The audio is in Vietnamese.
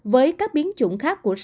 với các biến chủng khác của sars cov hai